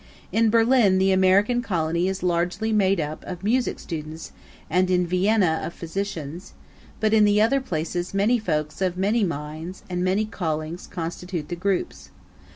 In Berlin, the American colony is largely made up of music students and in Vienna of physicians; but in the other places many folks of many minds and many callings constitute the groups.